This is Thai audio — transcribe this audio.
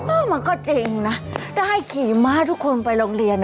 เออมันก็จริงนะถ้าให้ขี่ม้าทุกคนไปโรงเรียน